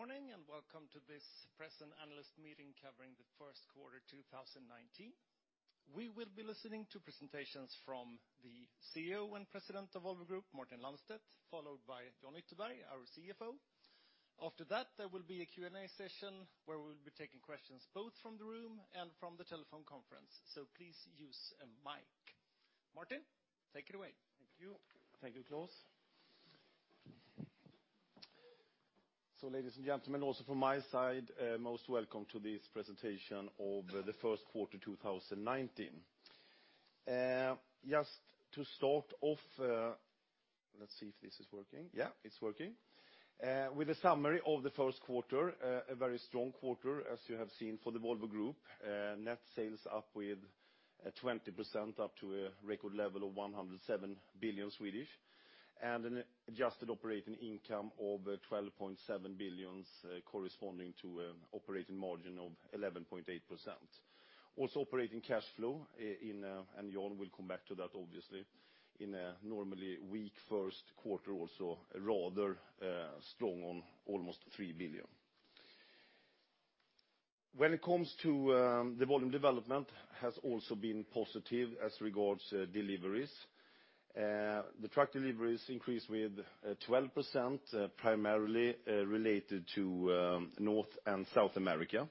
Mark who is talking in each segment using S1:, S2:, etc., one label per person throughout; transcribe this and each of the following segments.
S1: Good morning, welcome to this press and analyst meeting covering the first quarter 2019. We will be listening to presentations from the CEO and President of Volvo Group, Martin Lundstedt, followed by Jan Ytterberg, our CFO. After that, there will be a Q&A session where we will be taking questions both from the room and from the telephone conference. Please use a mic. Martin, take it away.
S2: Thank you. Thank you, Klas. Ladies and gentlemen, also from my side, most welcome to this presentation of the first quarter 2019. Just to start off, let's see if this is working. Yeah, it's working. With a summary of the first quarter, a very strong quarter, as you have seen, for the Volvo Group. Net sales up with 20%, up to a record level of 107 billion, an adjusted operating income of 12.7 billion, corresponding to an operating margin of 11.8%. Also operating cash flow in, Jan will come back to that obviously, in a normally weak first quarter, also rather strong on almost 3 billion. When it comes to the volume development has also been positive as regards deliveries. The truck deliveries increased with 12%, primarily related to North and South America,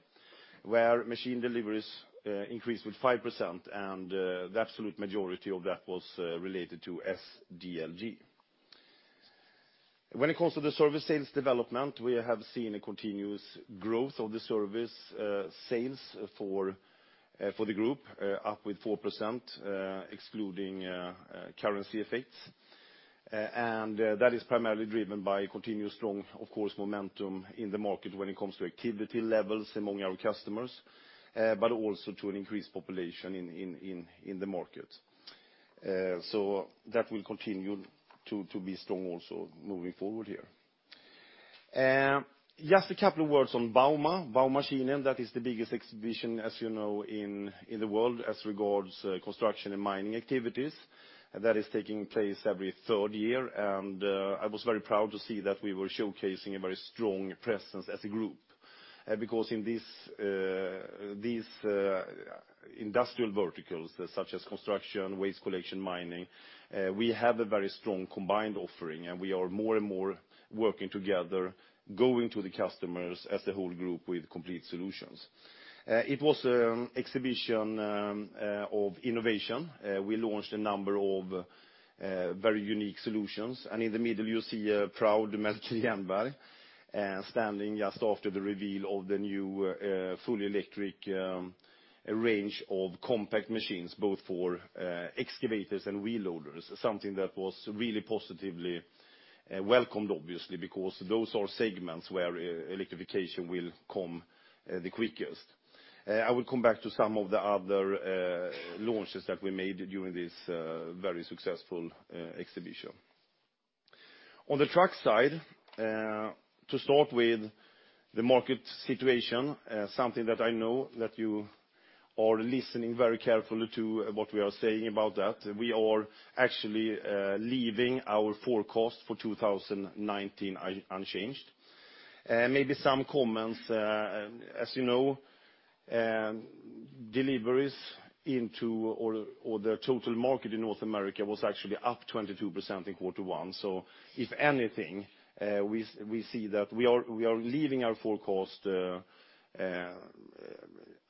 S2: where machine deliveries increased with 5%, and the absolute majority of that was related to SDLG. When it comes to the service sales development, we have seen a continuous growth of the service sales for the group, up with 4%, excluding currency effects. That is primarily driven by continuous strong, of course, momentum in the market when it comes to activity levels among our customers, but also to an increased population in the market. That will continue to be strong also moving forward here. Just a couple of words on Bauma. Bauma China, that is the biggest exhibition, as you know, in the world as regards construction and mining activities. That is taking place every third year. I was very proud to see that we were showcasing a very strong presence as a group. In these industrial verticals, such as construction, waste collection, mining, we have a very strong combined offering, we are more and more working together, going to the customers as the whole group with complete solutions. It was an exhibition of innovation. We launched a number of very unique solutions, and in the middle you see a proud Mats Sköldberg standing just after the reveal of the new fully electric range of compact machines, both for excavators and wheel loaders. Something that was really positively welcomed, obviously, because those are segments where electrification will come the quickest. I will come back to some of the other launches that we made during this very successful exhibition. On the truck side, to start with the market situation, something that I know that you are listening very carefully to what we are saying about that. We are actually leaving our forecast for 2019 unchanged. Maybe some comments. As you know, deliveries into, or the total market in North America was actually up 22% in quarter one. If anything, we see that we are leaving our forecast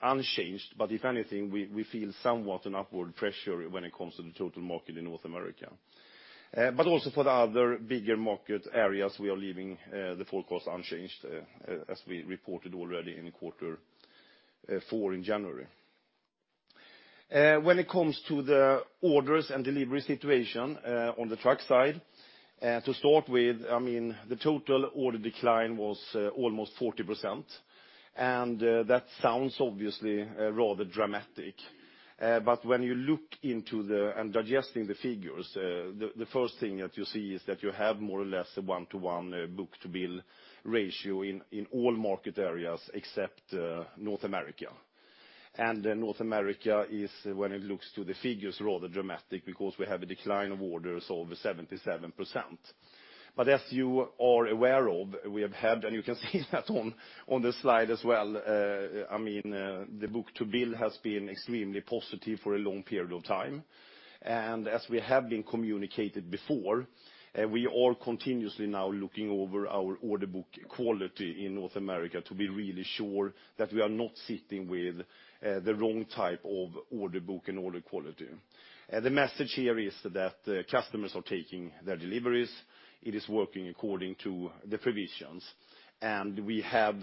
S2: unchanged, but if anything, we feel somewhat an upward pressure when it comes to the total market in North America. Also for the other bigger market areas, we are leaving the forecast unchanged, as we reported already in quarter four in January. When it comes to the orders and delivery situation on the truck side, to start with, the total order decline was almost 40%, that sounds obviously rather dramatic. When you look into the, and digesting the figures, the first thing that you see is that you have more or less a 1-to-1 book-to-bill ratio in all market areas except North America. North America is, when it looks to the figures, rather dramatic because we have a decline of orders over 77%. As you are aware of, we have had, and you can see that on the slide as well, the book-to-bill has been extremely positive for a long period of time. As we have been communicated before, we are continuously now looking over our order book quality in North America to be really sure that we are not sitting with the wrong type of order book and order quality. The message here is that customers are taking their deliveries. It is working according to the provisions. We have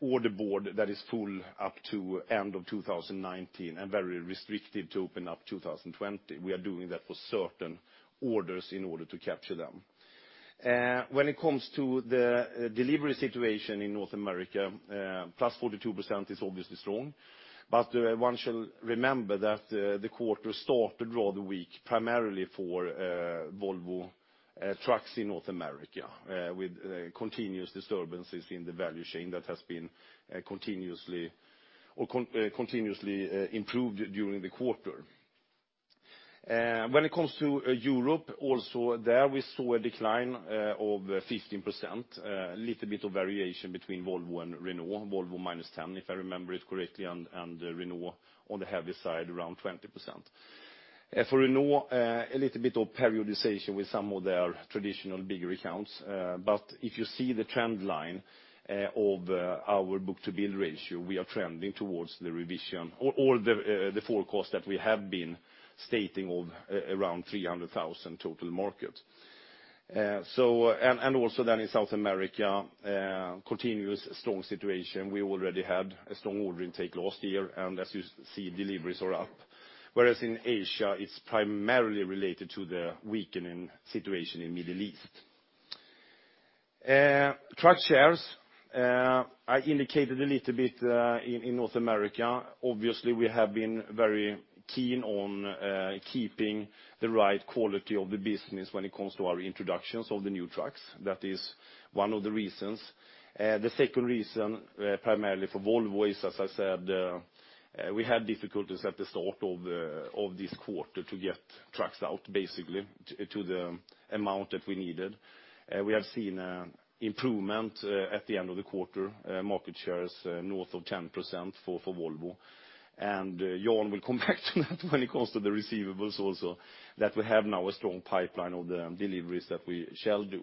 S2: order board that is full up to end of 2019 and very restrictive to open up 2020. We are doing that for certain orders in order to capture them. When it comes to the delivery situation in North America, plus 42% is obviously strong. One shall remember that the quarter started rather weak, primarily for Volvo Trucks in North America, with continuous disturbances in the value chain that has been continuously improved during the quarter. When it comes to Europe, also there we saw a decline of 15%, a little bit of variation between Volvo and Renault. Volvo -10%, if I remember it correctly, and Renault on the heavy side, around 20%. For Renault, a little bit of periodization with some of their traditional bigger accounts. If you see the trend line of our book-to-bill ratio, we are trending towards the revision, or the forecast that we have been stating of around 300,000 total market. Also then in South America, continuous strong situation. We already had a strong order intake last year, as you see, deliveries are up. Whereas in Asia, it's primarily related to the weakening situation in Middle East. Truck shares, I indicated a little bit in North America. Obviously, we have been very keen on keeping the right quality of the business when it comes to our introductions of the new trucks. That is one of the reasons. The second reason, primarily for Volvo, is, as I said, we had difficulties at the start of this quarter to get trucks out, basically, to the amount that we needed. We have seen improvement at the end of the quarter. Market share is north of 10% for Volvo. Jan will come back to that when it comes to the receivables also, that we have now a strong pipeline of the deliveries that we shall do.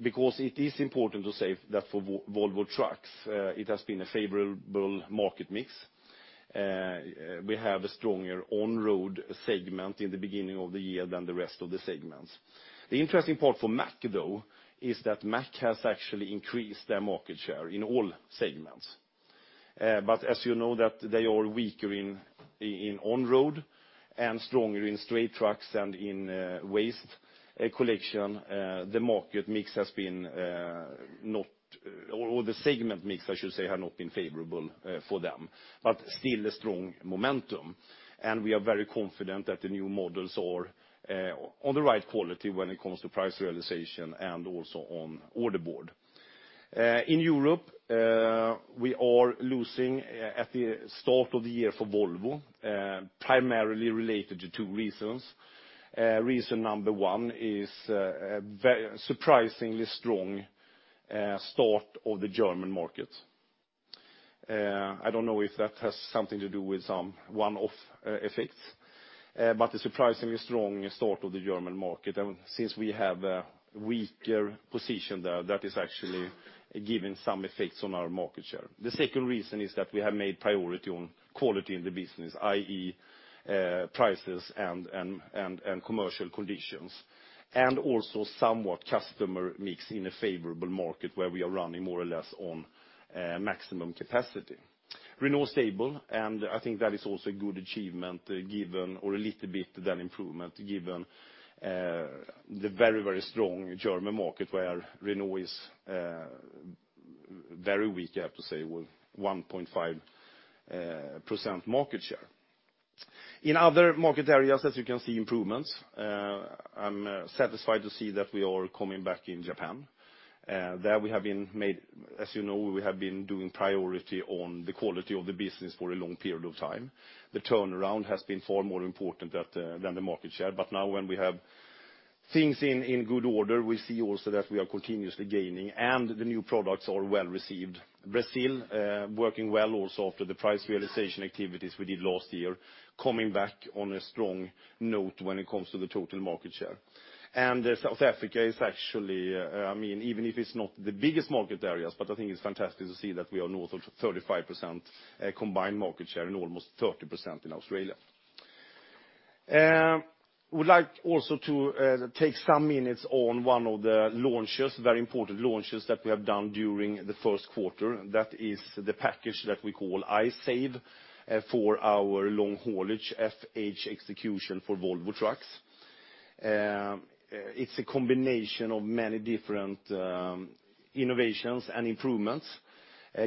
S2: It is important to say that for Volvo Trucks, it has been a favorable market mix. We have a stronger on-road segment in the beginning of the year than the rest of the segments. The interesting part for Mack, though, is that Mack has actually increased their market share in all segments. As you know that they are weaker in on-road and stronger in straight trucks and in waste collection, the market mix, or the segment mix, I should say, has not been favorable for them. Still a strong momentum. We are very confident that the new models are on the right quality when it comes to price realization and also on order board. In Europe, we are losing at the start of the year for Volvo, primarily related to two reasons. Reason number one is a surprisingly strong start of the German market. I don't know if that has something to do with some one-off effects, a surprisingly strong start of the German market. Since we have a weaker position there, that is actually giving some effects on our market share. The second reason is that we have made priority on quality in the business, i.e., prices and commercial conditions, and also somewhat customer mix in a favorable market where we are running more or less on maximum capacity. Renault stable, I think that is also a good achievement, or a little bit then improvement, given the very strong German market where Renault is very weak, I have to say, with 1.5% market share. In other market areas, as you can see, improvements. I'm satisfied to see that we are coming back in Japan. There, as you know, we have been doing priority on the quality of the business for a long period of time. The turnaround has been far more important than the market share. Now when we have things in good order, we see also that we are continuously gaining, and the new products are well-received. Brazil working well also after the price realization activities we did last year, coming back on a strong note when it comes to the total market share. South Africa is actually, even if it's not the biggest market areas, but I think it's fantastic to see that we are north of 35% combined market share and almost 30% in Australia. Would like also to take some minutes on one of the launches, very important launches that we have done during the first quarter. That is the package that we call I-Save for our long-haulage FH execution for Volvo Trucks. It's a combination of many different innovations and improvements,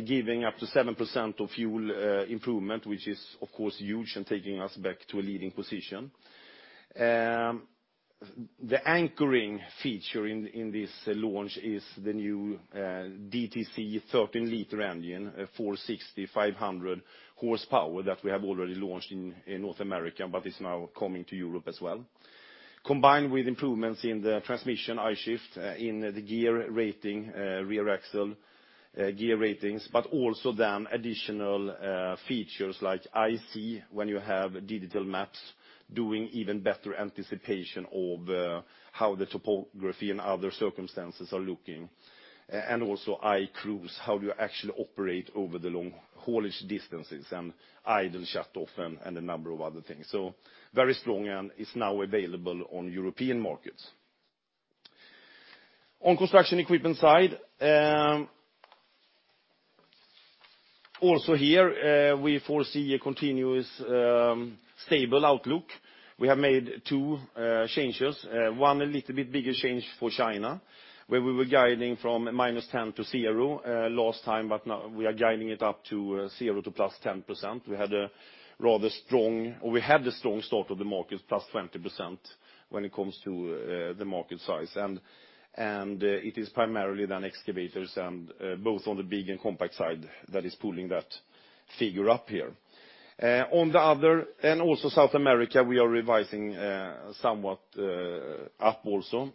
S2: giving up to 7% of fuel improvement, which is, of course, huge and taking us back to a leading position. The anchoring feature in this launch is the new DTC 13-liter engine, 460, 500 horsepower that we have already launched in North America, it's now coming to Europe as well. Combined with improvements in the transmission I-Shift in the gear rating, rear axle gear ratings, also then additional features like I-See when you have digital maps doing even better anticipation of how the topography and other circumstances are looking. Also I-Cruise, how you actually operate over the long haulage distances and idle shut off and a number of other things. Very strong and it's now available on European markets. On construction equipment side, also here we foresee a continuous stable outlook. We have made two changes. One a little bit bigger change for China, where we were guiding from -10% to 0% last time, now we are guiding it up to 0% to +10%. We had the strong start of the market, +20% when it comes to the market size. It is primarily then excavators and both on the big and compact side that is pulling that. Figure up here. On the other, also South America, we are revising somewhat up also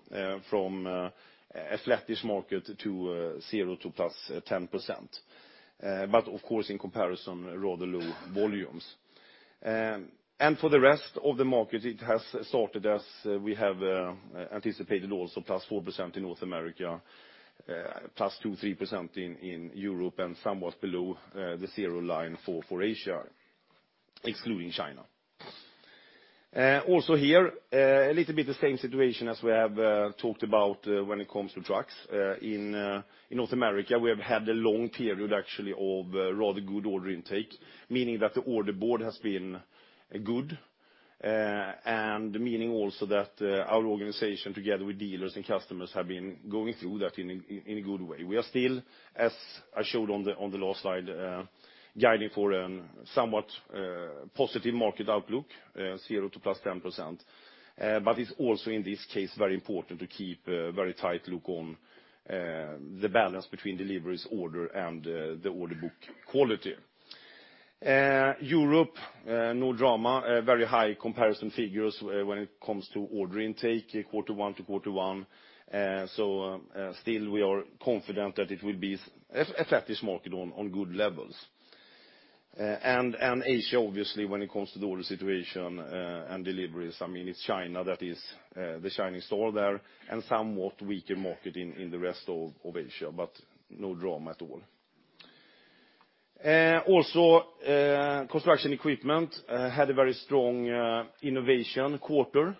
S2: from a flattish market to 0% to +10%. Of course, in comparison, rather low volumes. For the rest of the market, it has sorted as we have anticipated also +4% in North America, +2%, +3% in Europe, and somewhat below the 0 line for Asia, excluding China. Also here, a little bit the same situation as we have talked about when it comes to trucks. In North America, we have had a long period actually of rather good order intake, meaning that the order board has been good and meaning also that our organization together with dealers and customers have been going through that in a good way. We are still, as I showed on the last slide, guiding for somewhat positive market outlook, 0% to +10%. It's also in this case very important to keep a very tight look on the balance between deliveries, order, and the order book quality. Europe, no drama, very high comparison figures when it comes to order intake Q1 to Q1. Still we are confident that it will be a flattish market on good levels. Asia, obviously, when it comes to the order situation and deliveries, it's China that is the shining star there and somewhat weaker market in the rest of Asia, no drama at all. Also, construction equipment had a very strong innovation quarter,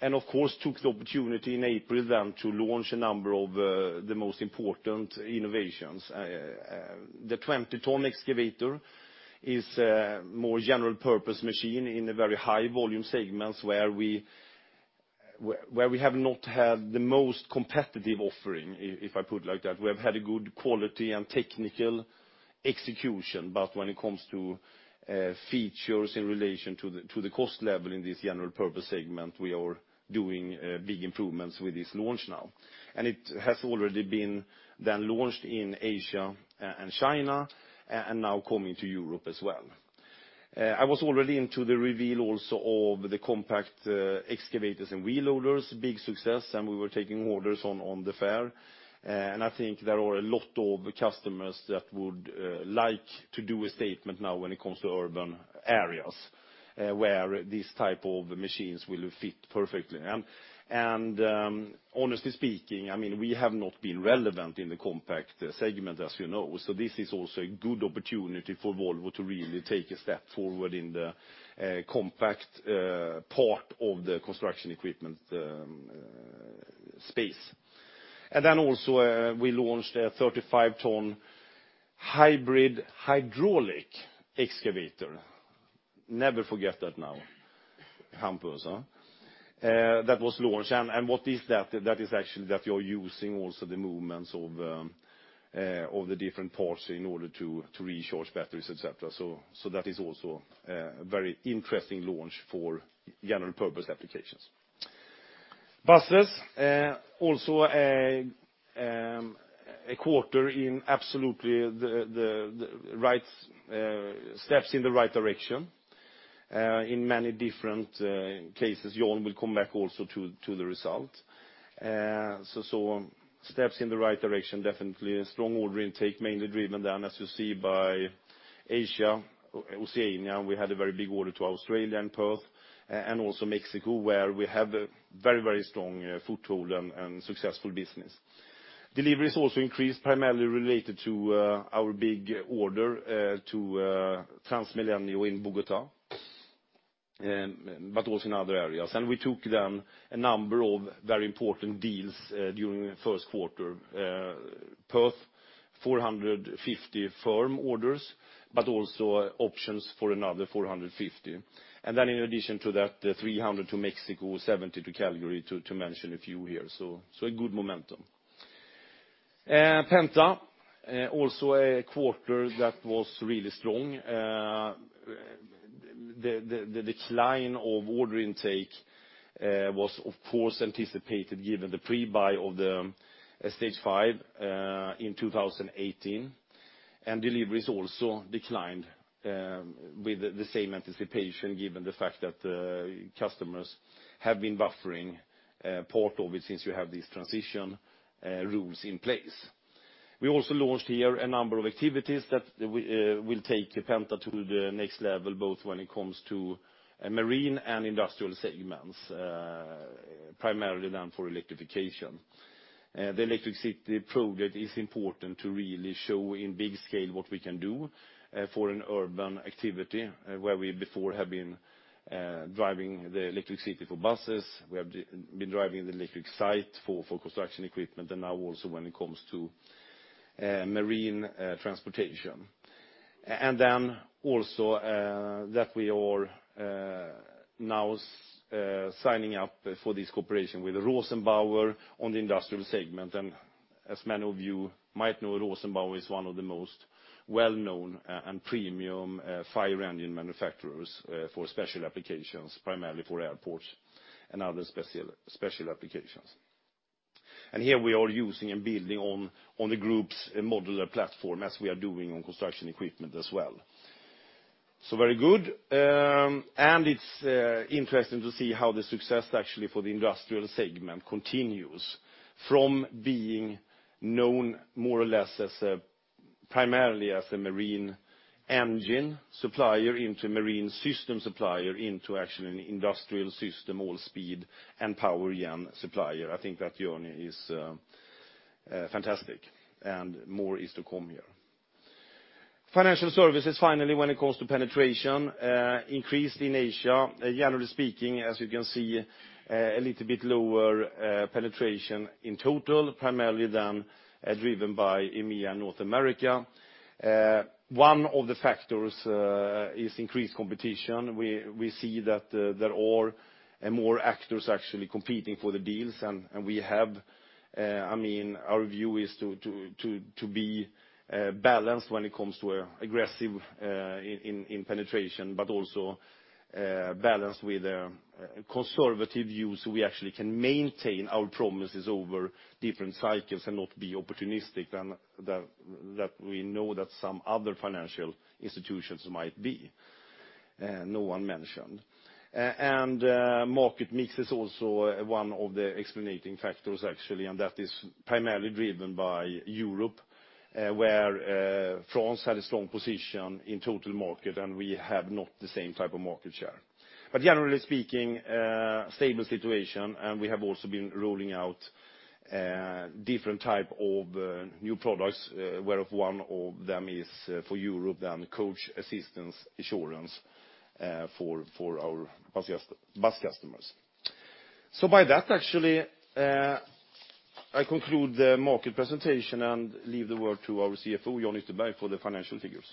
S2: and of course, took the opportunity in April then to launch a number of the most important innovations. The 20-ton excavator is a more general purpose machine in a very high volume segments where we have not had the most competitive offering, if I put it like that. We have had a good quality and technical execution, when it comes to features in relation to the cost level in this general purpose segment, we are doing big improvements with this launch now. It has already been then launched in Asia and China and now coming to Europe as well. I was already into the reveal also of the compact excavators and wheel loaders, big success, and we were taking orders on the fair. I think there are a lot of customers that would like to do a statement now when it comes to urban areas, where these type of machines will fit perfectly. Honestly speaking, we have not been relevant in the compact segment, as you know. This is also a good opportunity for Volvo to really take a step forward in the compact part of the construction equipment space. Also we launched a 35-ton hybrid hydraulic excavator. Never forget that now, Hampus. That was launched. What is that? That is actually that you are using also the movements of the different parts in order to recharge batteries, et cetera. That is also a very interesting launch for general purpose applications. Buses, also a quarter in absolutely the right steps in the right direction, in many different cases. Jan will come back also to the result. Steps in the right direction, definitely a strong order intake, mainly driven then, as you see, by Asia, Oceania. We had a very big order to Australia and Perth and also Mexico, where we have a very strong foothold and successful business. Deliveries also increased, primarily related to our big order to TransMilenio in Bogotá, but also in other areas. We took then a number of very important deals during the first quarter. Perth, 450 firm orders, but also options for another 450. In addition to that, 300 to Mexico, 70 to Calgary, to mention a few here. A good momentum. Penta, also a quarter that was really strong. The decline of order intake was of course anticipated given the pre-buy of the Stage V in 2018. Deliveries also declined with the same anticipation given the fact that customers have been buffering part of it since you have these transition rules in place. We also launched here a number of activities that will take Penta to the next level, both when it comes to marine and industrial segments, primarily then for electrification. The ElectriCity project is important to really show in big scale what we can do for an urban activity where we before have been driving the ElectriCity for buses, we have been driving the Electric Site for construction equipment, and now also when it comes to marine transportation. Also that we are now signing up for this cooperation with Rosenbauer on the industrial segment. As many of you might know, Rosenbauer is one of the most well-known and premium fire engine manufacturers for special applications, primarily for airports and other special applications. Here we are using and building on the group's modular platform as we are doing on construction equipment as well. Very good. It's interesting to see how the success actually for the industrial segment continues from being known more or less primarily as a marine engine supplier into a marine system supplier into actually an industrial system, all speed and power gen supplier. I think that journey is fantastic and more is to come here. Financial services, finally, when it comes to penetration, increased in Asia. Generally speaking, as you can see, a little bit lower penetration in total, primarily then driven by EMEA and North America. One of the factors is increased competition. We see that there are more actors actually competing for the deals. Our view is to be balanced when it comes to aggressive in penetration, also balanced with a conservative view so we actually can maintain our promises over different cycles and not be opportunistic that we know that some other financial institutions might be, no one mentioned. Market mix is also one of the explaining factors, actually, and that is primarily driven by Europe, where France had a strong position in total market, and we have not the same type of market share. Generally speaking, stable situation, and we have also been rolling out different type of new products, where of one of them is for Europe, the coach assistance insurance for our bus customers. By that, actually, I conclude the market presentation and leave the word to our CFO, Jan Ytterberg, for the financial figures.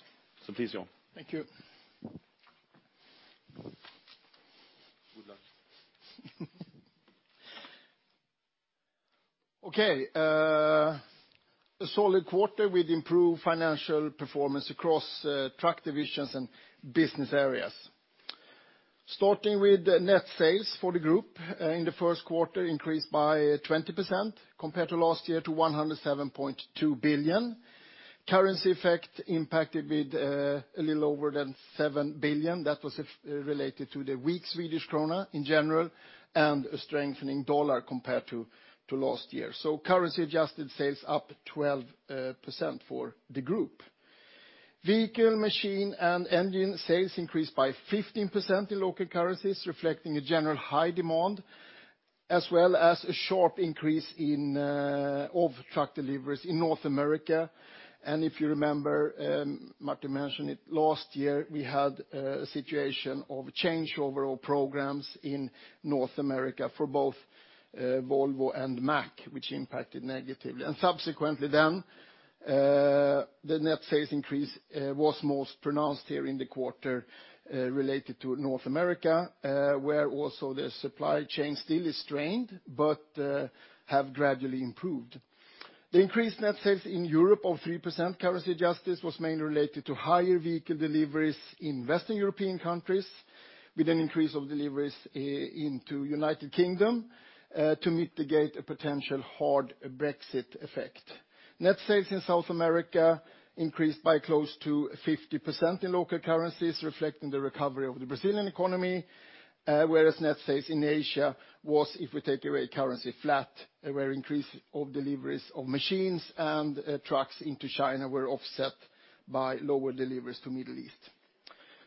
S2: Please, Jan.
S3: Thank you.
S2: Good luck.
S3: Okay. A solid quarter with improved financial performance across truck divisions and business areas. Starting with net sales for the group in the first quarter increased by 20% compared to last year to 107.2 billion. Currency effect impacted with a little over 7 billion. That was related to the weak Swedish krona in general and a strengthening USD compared to last year. Currency adjusted sales up 12% for the group. Vehicle, machine, and engine sales increased by 15% in local currencies, reflecting a general high demand, as well as a sharp increase of truck deliveries in North America. If you remember, Martin mentioned it, last year, we had a situation of changeover of programs in North America for both Volvo and Mack, which impacted negatively. Subsequently, the net sales increase was most pronounced here in the quarter related to North America, where also the supply chain still is strained, but have gradually improved. The increased net sales in Europe of 3%, currency adjusted, was mainly related to higher vehicle deliveries in Western European countries, with an increase of deliveries into U.K. to mitigate a potential hard Brexit effect. Net sales in South America increased by close to 50% in local currencies, reflecting the recovery of the Brazilian economy. Whereas net sales in Asia was, if we take away currency flat, where increase of deliveries of machines and trucks into China were offset by lower deliveries to Middle East.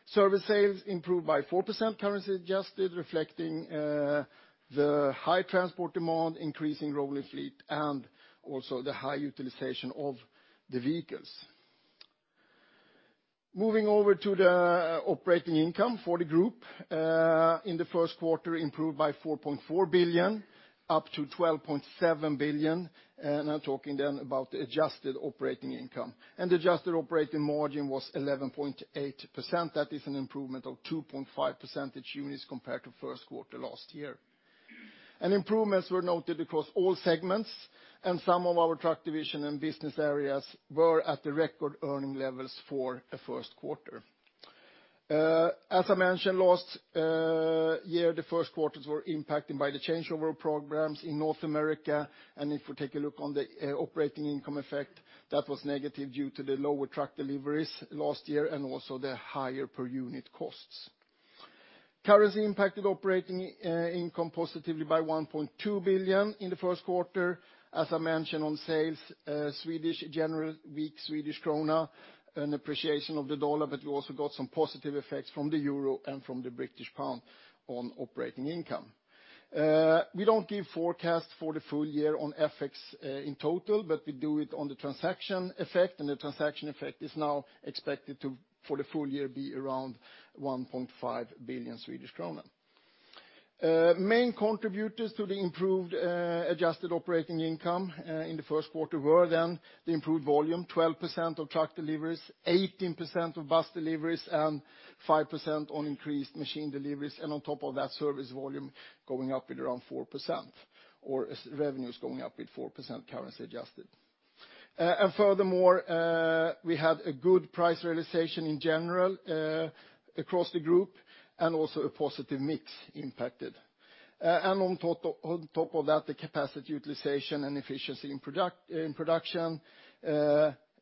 S3: Service sales improved by 4%, currency adjusted, reflecting the high transport demand, increasing rolling fleet, and also the high utilization of the vehicles. Moving over to the operating income for the group. In the first quarter, improved by 4.4 billion, up to 12.7 billion. I am talking about the adjusted operating income. Adjusted operating margin was 11.8%. That is an improvement of 2.5 percentage units compared to first quarter last year. Improvements were noted across all segments, and some of our truck division and business areas were at the record earning levels for a first quarter. As I mentioned, last year, the first quarters were impacted by the changeover of programs in North America. If we take a look on the operating income effect, that was negative due to the lower truck deliveries last year and also the higher per unit costs. Currency impacted operating income positively by 1.2 billion in the first quarter. As I mentioned on sales, general weak Swedish krona, an appreciation of the USD, but we also got some positive effects from the EUR and from the GBP on operating income. We do not give forecast for the full year on FX in total, but we do it on the transaction effect, and the transaction effect is now expected to, for the full year, be around 1.5 billion Swedish kronor. Main contributors to the improved adjusted operating income in the first quarter were the improved volume, 12% of truck deliveries, 18% of bus deliveries, and 5% on increased machine deliveries. On top of that, service volume going up at around 4%, or revenues going up with 4% currency adjusted. Furthermore, we had a good price realization in general across the group, and also a positive mix impact. On top of that, the capacity utilization and efficiency in production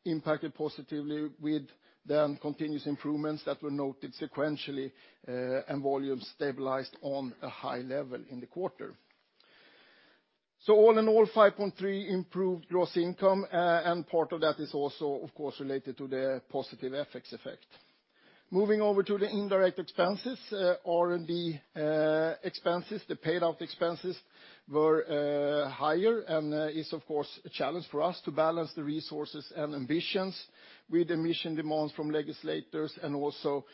S3: impacted positively with the continuous improvements that were noted sequentially, and volumes stabilized on a high level in the quarter. All in all, 5.3 improved gross income, and part of that is also, of course, related to the positive FX effect. Moving over to the indirect expenses, R&D expenses, the paid-out expenses were higher and it is, of course, a challenge for us to balance the resources and ambitions with emission demands from legislators and also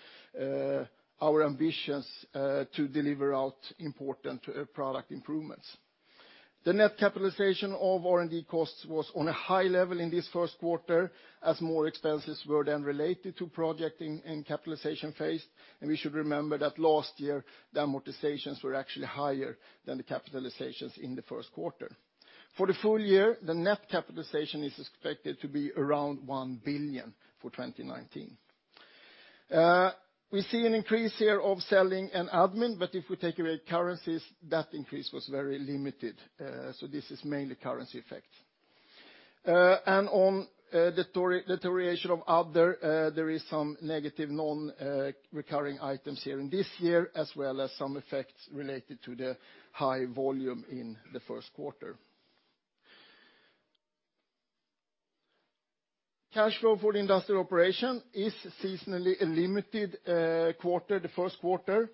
S3: our ambitions to deliver important product improvements. The net capitalization of R&D costs was on a high level in this first quarter as more expenses were then related to project in capitalization phase, and we should remember that last year, the amortizations were actually higher than the capitalizations in the first quarter. For the full year, the net capitalization is expected to be around 1 billion for 2019. We see an increase here of selling and admin, but if we take away currencies, that increase was very limited. This is mainly currency effect. On the deterioration of other, there is some negative non-recurring items here in this year, as well as some effects related to the high volume in the first quarter. Cash flow for the industrial operation is seasonally a limited quarter. The first quarter,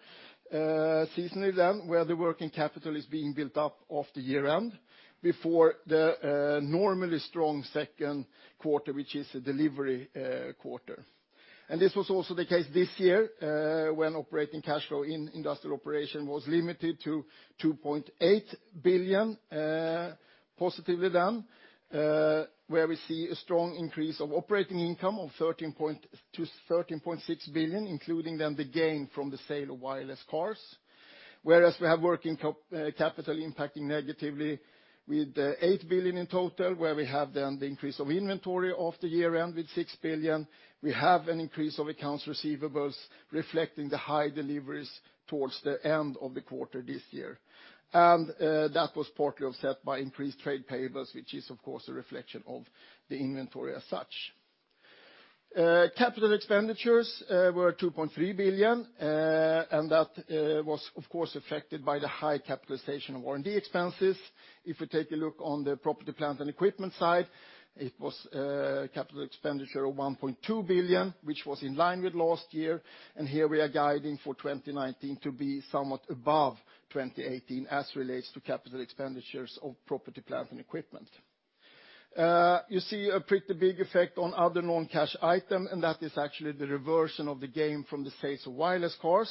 S3: seasonally then, where the working capital is being built up of the year-end before the normally strong second quarter, which is a delivery quarter. This was also the case this year, when operating cash flow in industrial operation was limited to 2.8 billion, positively then, where we see a strong increase of operating income to 13.6 billion, including then the gain from the sale of WirelessCar. Whereas we have working capital impacting negatively with 8 billion in total, where we have then the increase of inventory of the year end with 6 billion. We have an increase of accounts receivables reflecting the high deliveries towards the end of the quarter this year. That was partly offset by increased trade payables, which is, of course, a reflection of the inventory as such. Capital expenditures were 2.3 billion, and that was, of course, affected by the high capitalization of R&D expenses. If we take a look on the property plant and equipment side, it was a capital expenditure of 1.2 billion, which was in line with last year, and here we are guiding for 2019 to be somewhat above 2018 as relates to capital expenditures of property, plant, and equipment. You see a pretty big effect on other non-cash item, and that is actually the reversion of the gain from the sales of WirelessCar,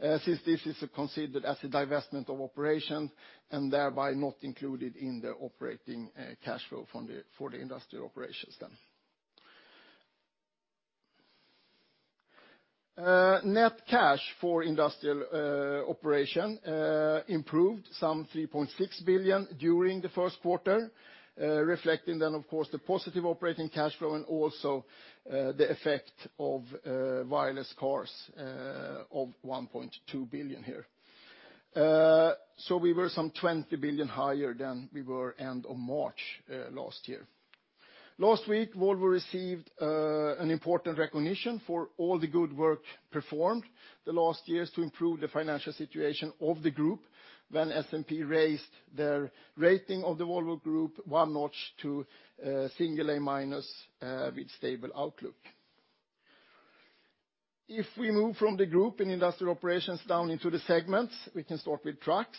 S3: since this is considered as a divestment of operation and thereby not included in the operating cash flow for the industrial operations then. Net cash for industrial operation improved some 3.6 billion during the first quarter, reflecting then, of course, the positive operating cash flow and also the effect of WirelessCar of 1.2 billion here. We were some 20 billion higher than we were end of March last year. Last week, Volvo received an important recognition for all the good work performed the last years to improve the financial situation of the group when S&P raised their rating of the Volvo Group one notch to A- with stable outlook. If we move from the group in industrial operations down into the segments, we can start with trucks.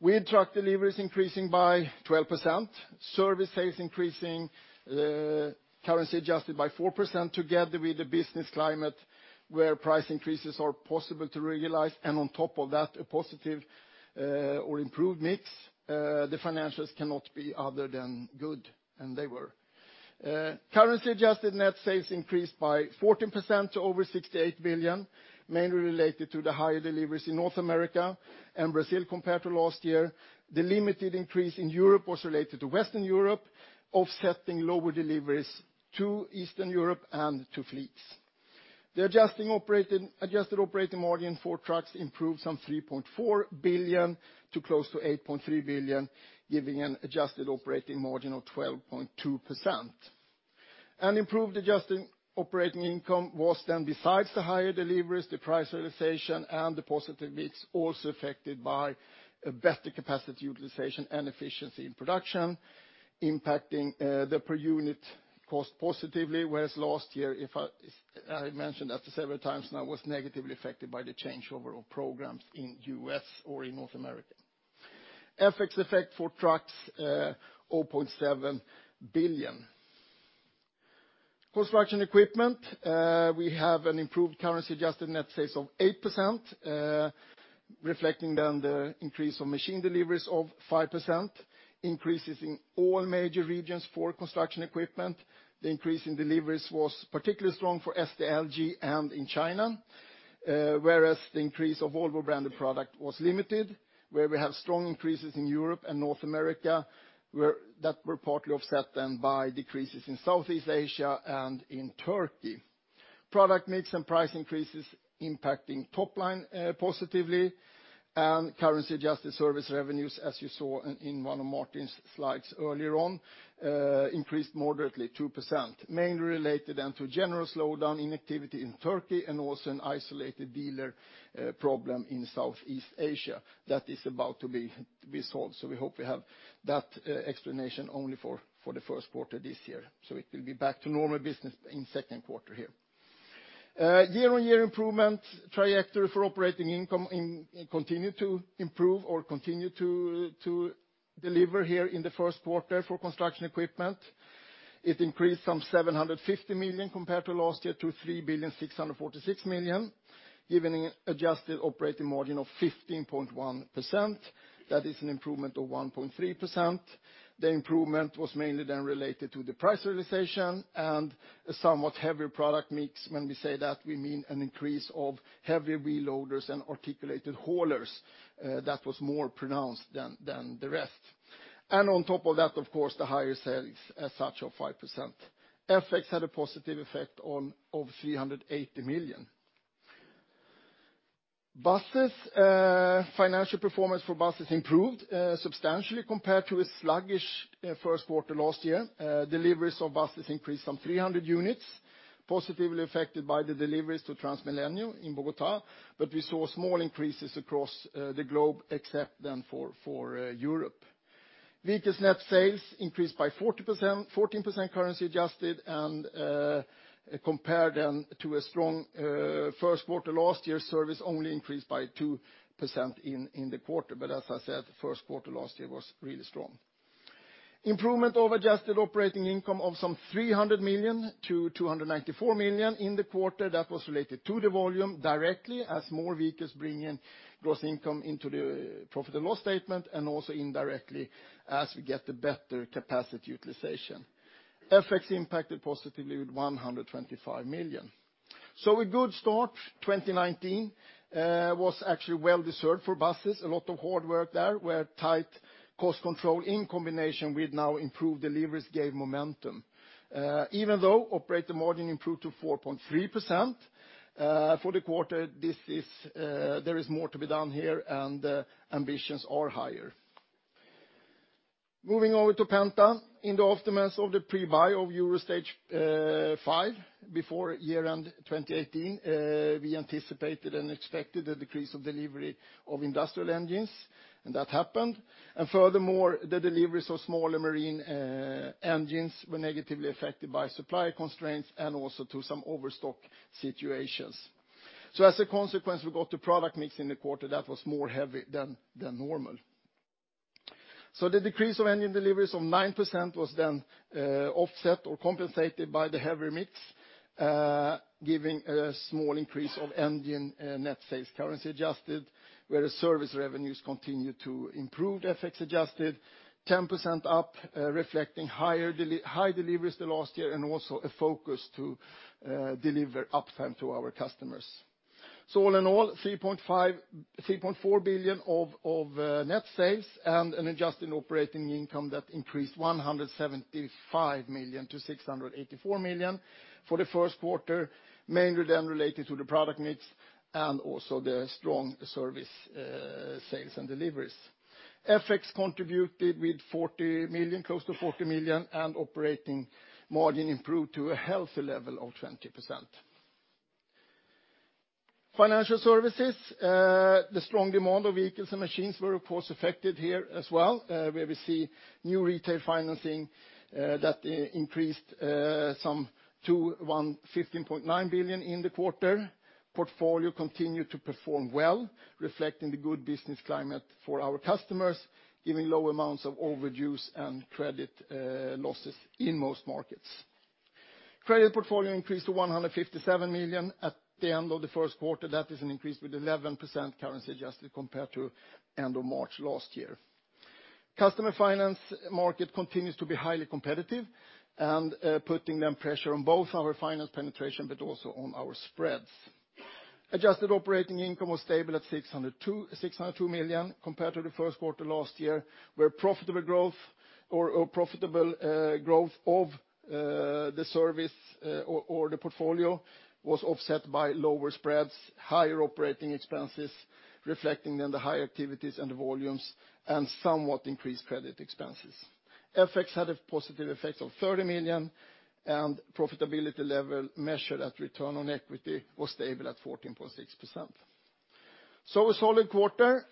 S3: With truck deliveries increasing by 12%, service sales increasing currency adjusted by 4% together with the business climate where price increases are possible to realize, and on top of that, a positive or improved mix, the financials cannot be other than good, and they were. Currency adjusted net sales increased by 14% to over 68 billion, mainly related to the higher deliveries in North America and Brazil compared to last year. The limited increase in Europe was related to Western Europe, offsetting lower deliveries to Eastern Europe and to fleets. The adjusted operating margin for trucks improved some 3.4 billion to close to 8.3 billion, giving an adjusted operating margin of 12.2%. Improved adjusted operating income was then, besides the higher deliveries, the price realization, and the positive mix also affected by a better capacity utilization and efficiency in production, impacting the per unit cost positively. Whereas last year, I mentioned that several times now, was negatively affected by the changeover of programs in U.S. or in North America. FX effect for trucks, 0.7 billion. Construction equipment, we have an improved currency-adjusted net sales of 8%, reflecting then the increase of machine deliveries of 5%, increases in all major regions for construction equipment. The increase in deliveries was particularly strong for SDLG and in China, whereas the increase of Volvo branded product was limited, where we have strong increases in Europe and North America that were partly offset then by decreases in Southeast Asia and in Turkey. Product mix and price increases impacting top line positively. Currency-adjusted service revenues, as you saw in one of Martin's slides earlier on, increased moderately 2%, mainly related then to general slowdown in activity in Turkey and also an isolated dealer problem in Southeast Asia that is about to be solved. We hope we have that explanation only for the first quarter this year, so it will be back to normal business in second quarter here. Year-over-year improvement trajectory for operating income continue to improve or continue to deliver here in the first quarter for construction equipment. It increased from 750 million compared to last year to 3,646 million, giving an adjusted operating margin of 15.1%. That is an improvement of 1.3%. The improvement was mainly then related to the price realization and a somewhat heavier product mix. When we say that, we mean an increase of heavy reloaders and articulated haulers that was more pronounced than the rest. On top of that, of course, the higher sales as such of 5%. FX had a positive effect of 380 million. Buses. Financial performance for buses improved substantially compared to a sluggish first quarter last year. Deliveries of buses increased some 300 units, positively affected by the deliveries to TransMilenio in Bogotá. We saw small increases across the globe except then for Europe. Vehicle net sales increased by 14% currency adjusted and compared then to a strong first quarter last year, service only increased by 2% in the quarter. As I said, first quarter last year was really strong. Improvement of adjusted operating income of some 300 million to 294 million in the quarter. That was related to the volume directly as more vehicles bring in gross income into the profit and loss statement, and also indirectly as we get a better capacity utilization. FX impacted positively with 125 million. A good start. 2019 was actually well deserved for buses. A lot of hard work there, where tight cost control in combination with now improved deliveries gave momentum. Even though operating margin improved to 4.3% for the quarter, there is more to be done here, and ambitions are higher. Moving over to Penta. In the aftermath of the pre-buy of Stage V before year-end 2018, we anticipated and expected a decrease of delivery of industrial engines, that happened. Furthermore, the deliveries of smaller marine engines were negatively affected by supply constraints and also to some overstock situations. As a consequence, we got a product mix in the quarter that was more heavy than normal. The decrease of engine deliveries of 9% was then offset or compensated by the heavier mix, giving a small increase of engine net sales currency adjusted, where the service revenues continued to improve. FX adjusted 10% up, reflecting high deliveries the last year and also a focus to deliver uptime to our customers. All in all, 3.4 billion of net sales and an adjusted operating income that increased 175 million to 684 million for the first quarter, mainly then related to the product mix and also the strong service sales and deliveries. FX contributed with close to 40 million, and operating margin improved to a healthy level of 20%. Financial services. The strong demand of vehicles and machines were, of course, affected here as well, where we see new retail financing that increased some to 15.9 billion in the quarter. Portfolio continued to perform well, reflecting the good business climate for our customers, giving low amounts of overdues and credit losses in most markets. Credit portfolio increased to 157 million at the end of the first quarter. That is an increase with 11% currency adjusted compared to end of March last year. Customer finance market continues to be highly competitive and putting then pressure on both our finance penetration but also on our spreads. Adjusted operating income was stable at 602 million compared to the first quarter last year, where profitable growth of the service or the portfolio was offset by lower spreads, higher operating expenses reflecting then the higher activities and the volumes, and somewhat increased credit expenses. FX had a positive effect of 30 million, and profitability level measured at return on equity was stable at 14.6%. A solid quarter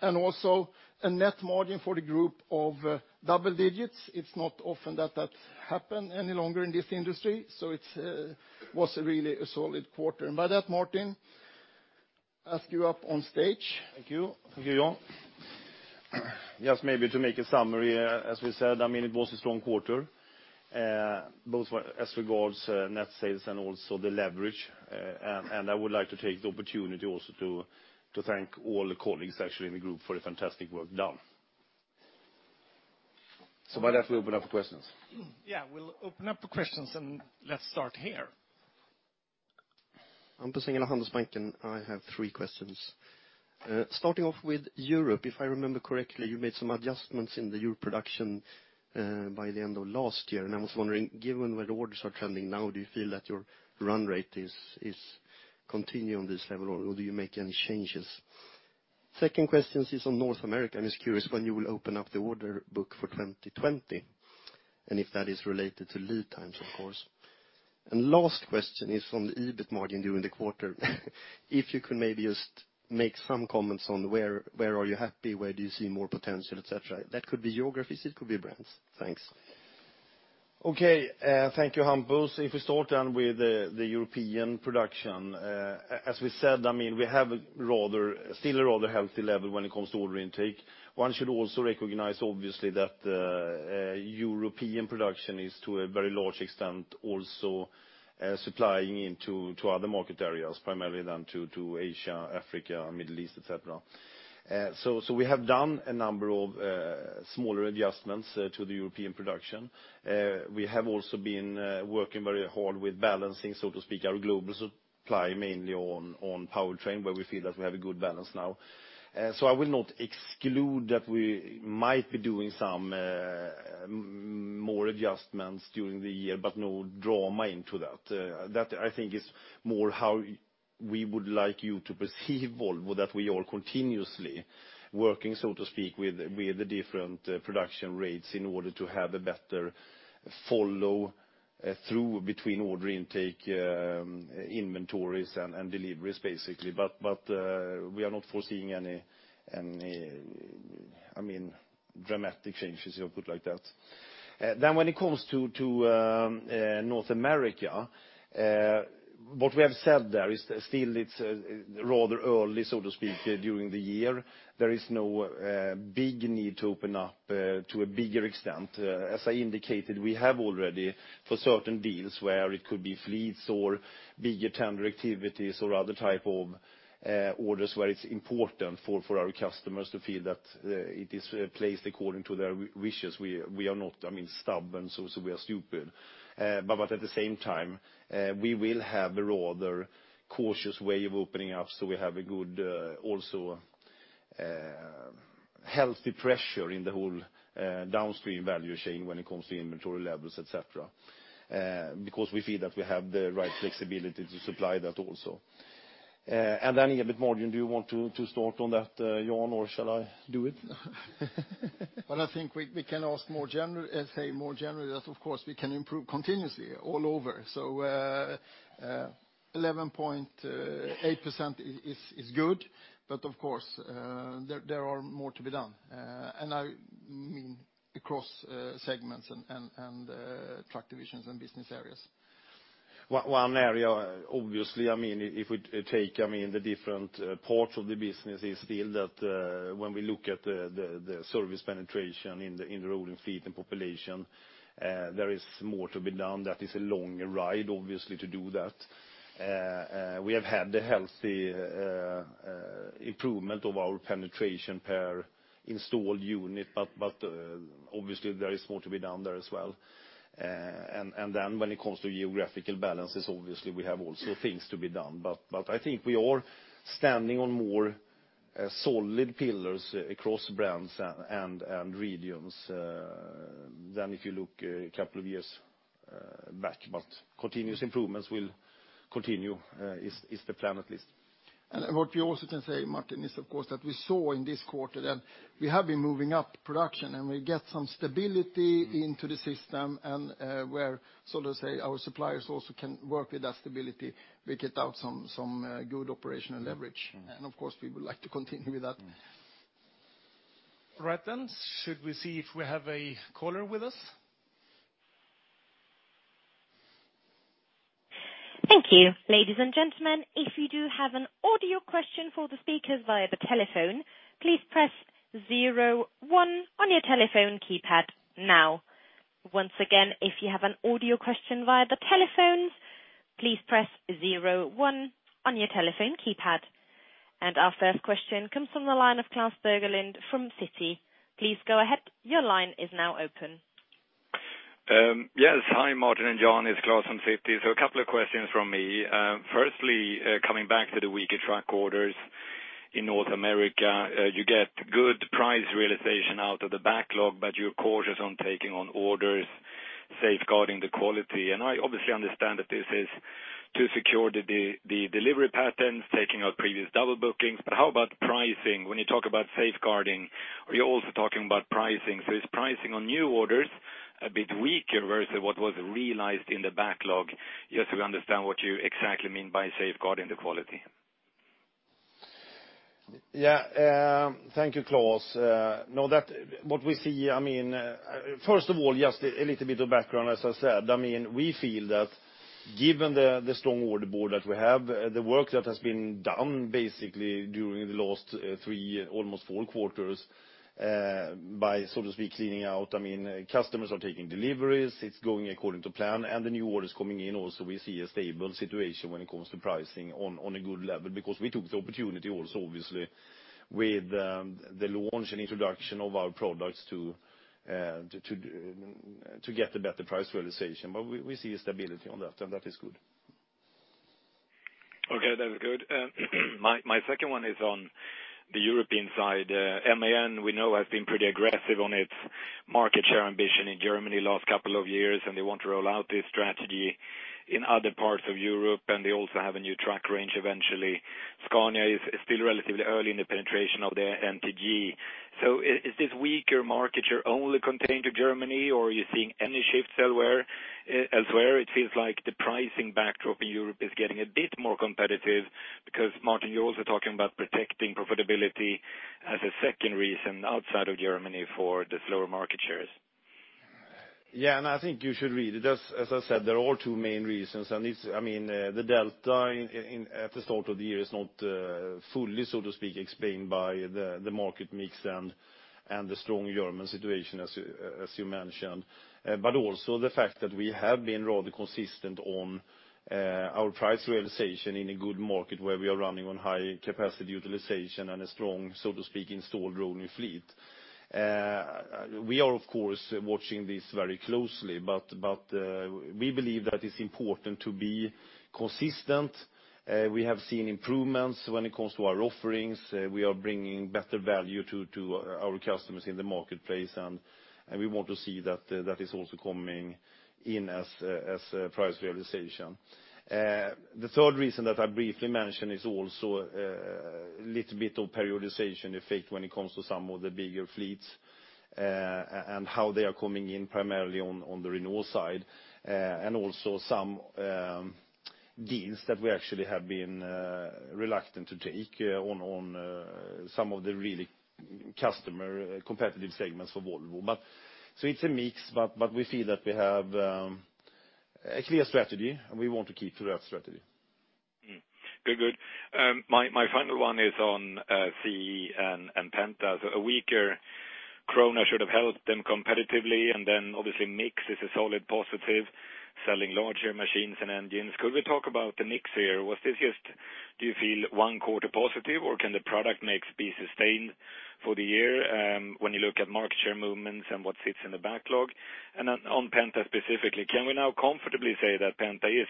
S3: and also a net margin for the group of double digits. It's not often that that happen any longer in this industry. It was really a solid quarter. By that, Martin, ask you up on stage.
S2: Thank you. Thank you, Jan. Just maybe to make a summary, as we said, it was a strong quarter, both as regards net sales and also the leverage. I would like to take the opportunity also to thank all the colleagues actually in the group for the fantastic work done. With that, we open up for questions.
S3: Yeah, we'll open up for questions. Let's start here.
S4: I'm Hampus, and I have three questions. Starting off with Europe, if I remember correctly, you made some adjustments in the Europe production by the end of last year. I was wondering, given where the orders are trending now, do you feel that your run rate is continuing on this level, or do you make any changes? Second question is on North America. I'm just curious when you will open up the order book for 2020, and if that is related to lead times, of course. Last question is on the EBIT margin during the quarter. If you could maybe just make some comments on where are you happy, where do you see more potential, et cetera. That could be geographies, it could be brands. Thanks.
S2: Okay. Thank you, Hampus. If we start then with the European production. As we said, we have still a rather healthy level when it comes to order intake. One should also recognize, obviously, that European production is to a very large extent also supplying into other market areas, primarily then to Asia, Africa, Middle East, et cetera. We have done a number of smaller adjustments to the European production. We have also been working very hard with balancing, so to speak, our global supply, mainly on powertrain, where we feel that we have a good balance now. I will not exclude that we might be doing some more adjustments during the year, but no drama into that. That, I think, is more how we would like you to perceive Volvo, that we are continuously working, so to speak, with the different production rates in order to have a better follow-through between order intake, inventories, and deliveries, basically. We are not foreseeing any dramatic changes, if I put it like that. When it comes to North America, what we have said there is still it's rather early, so to speak, during the year. There is no big need to open up to a bigger extent. As I indicated, we have already, for certain deals where it could be fleets or bigger tender activities or other type of orders where it's important for our customers to feel that it is placed according to their wishes. We are not stubborn, so we are stupid. At the same time, we will have a rather cautious way of opening up, so we have a good, also healthy pressure in the whole downstream value chain when it comes to inventory levels, et cetera, because we feel that we have the right flexibility to supply that also. Then EBIT margin, do you want to start on that, Jan, or shall I do it?
S3: I think we can say more generally that, of course, we can improve continuously all over. 11.8% is good. Of course, there are more to be done. I mean across segments and truck divisions and business areas.
S2: One area, obviously, if we take the different parts of the business, is still that when we look at the service penetration in the rolling fleet and population, there is more to be done. That is a long ride, obviously, to do that. We have had a healthy improvement of our penetration per installed unit, but obviously, there is more to be done there as well. Then when it comes to geographical balances, obviously, we have also things to be done. I think we are standing on more solid pillars across brands and regions than if you look a couple of years back. Continuous improvements will continue, is the plan at least.
S3: What we also can say, Martin, is of course, that we saw in this quarter that we have been moving up production and we get some stability into the system and where, so to say, our suppliers also can work with that stability. We get out some good operational leverage. Of course, we would like to continue with that.
S2: Right. Should we see if we have a caller with us?
S5: Thank you. Ladies and gentlemen, if you do have an audio question for the speakers via the telephone, please press 01 on your telephone keypad now. Once again, if you have an audio question via the telephone, please press 01 on your telephone keypad. Our first question comes from the line of Klas Bergelind from Citi. Please go ahead. Your line is now open.
S6: Yes. Hi, Martin and Jan, it's Claus from Citi. A couple of questions from me. Firstly, coming back to the weaker truck orders in North America, you get good price realization out of the backlog, but you're cautious on taking on orders, safeguarding the quality. I obviously understand that this is to secure the delivery patterns, taking out previous double bookings. How about pricing? When you talk about safeguarding, are you also talking about pricing? Is pricing on new orders a bit weaker versus what was realized in the backlog? Just so we understand what you exactly mean by safeguarding the quality.
S2: Yeah. Thank you, Claus. First of all, just a little bit of background, as I said. We feel that given the strong order book that we have, the work that has been done basically during the last three, almost four quarters by, so to speak, cleaning out. Customers are taking deliveries, it's going according to plan, the new orders coming in also, we see a stable situation when it comes to pricing on a good level because we took the opportunity also, obviously, with the launch and introduction of our products to get a better price realization. We see a stability on that is good.
S6: Okay, that's good. My second one is on the European side. MAN, we know, has been pretty aggressive on its market share ambition in Germany last couple of years, and they want to roll out this strategy in other parts of Europe, and they also have a new track range eventually. Scania is still relatively early in the penetration of their NTG. Is this weaker market share only contained to Germany, or are you seeing any shifts elsewhere? It feels like the pricing backdrop in Europe is getting a bit more competitive because, Martin, you're also talking about protecting profitability as a second reason outside of Germany for the slower market shares.
S2: Yeah, I think you should read it. As I said, there are two main reasons. The delta at the start of the year is not fully, so to speak, explained by the market mix and the strong German situation as you mentioned, but also the fact that we have been rather consistent on our price realization in a good market where we are running on high capacity utilization and a strong, so to speak, installed rolling fleet. We are, of course, watching this very closely, but we believe that it's important to be consistent. We have seen improvements when it comes to our offerings. We are bringing better value to our customers in the marketplace, and we want to see that is also coming in as price realization. The third reason that I briefly mentioned is also a little bit of periodization effect when it comes to some of the bigger fleets, and how they are coming in primarily on the renewal side, and also some deals that we actually have been reluctant to take on some of the really customer competitive segments for Volvo. It's a mix, but we feel that we have a clear strategy, and we want to keep to that strategy.
S6: Good. My final one is on CE and Penta. A weaker SEK should have helped them competitively, and then obviously mix is a solid positive, selling larger machines and engines. Could we talk about the mix here? Was this just, do you feel one quarter positive, or can the product mix be sustained for the year, when you look at market share movements and what sits in the backlog? On Penta specifically, can we now comfortably say that Penta is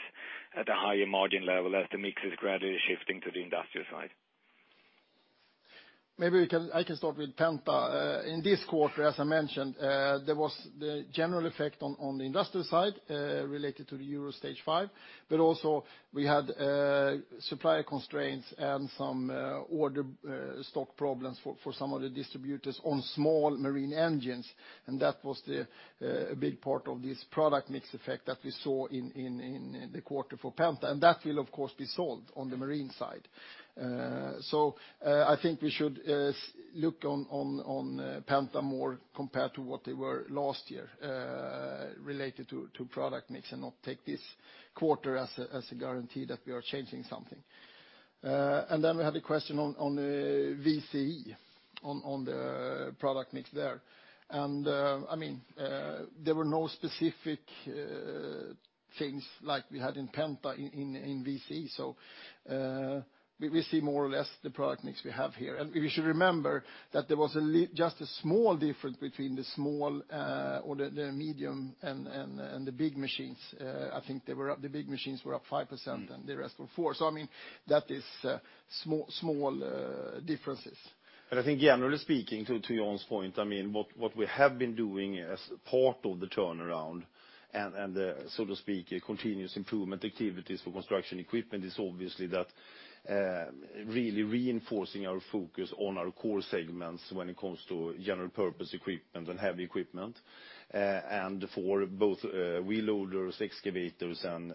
S6: at a higher margin level as the mix is gradually shifting to the industrial side?
S3: Maybe I can start with Penta. In this quarter, as I mentioned, there was the general effect on the industrial side, related to the Stage V. We had supplier constraints and some order stock problems for some of the distributors on small marine engines, and that was the big part of this product mix effect that we saw in the quarter for Penta. That will, of course, be solved on the marine side. I think we should look on Penta more compared to what they were last year, related to product mix and not take this quarter as a guarantee that we are changing something. We had a question on VCE, on the product mix there. There were no specific things like we had in Penta in VCE. We see more or less the product mix we have here. We should remember that there was just a small difference between the small or the medium and the big machines. I think the big machines were up 5% and the rest were 4%. That is small differences.
S2: I think generally speaking, to Jan's point, what we have been doing as part of the turnaround and the, so to speak, continuous improvement activities for construction equipment is obviously that really reinforcing our focus on our core segments when it comes to general purpose equipment and heavy equipment, and for both wheel loaders, excavators, and